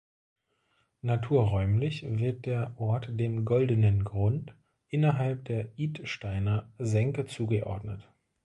Naturräumlich wird der Ort dem Goldenen Grund innerhalb der Idsteiner Senke zugeordnet.